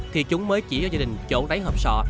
thì chúng mới chỉ cho gia đình chỗ lấy hộp sọ